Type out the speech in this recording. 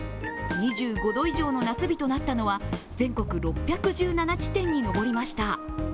２５度以上の夏日となったのは全国６１７地点に上りました。